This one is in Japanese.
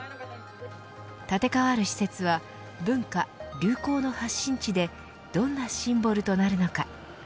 建て替わる施設は文化、流行の発信地でどんなシンボルとなるのか。